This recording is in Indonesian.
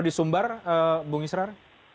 di sumbar bung israr